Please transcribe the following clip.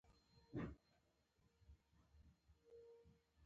ویده سترګې چورت وهي